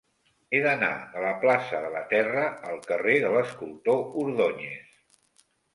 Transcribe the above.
He d'anar de la plaça de la Terra al carrer de l'Escultor Ordóñez.